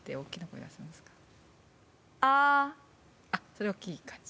それ、大きい感じ？